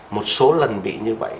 một số lần bị như vậy